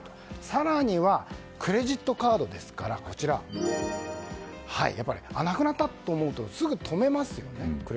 更にはクレジットカードですからなくなったと思うとすぐ止めますよね。